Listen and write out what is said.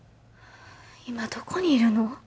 今どこにいるの？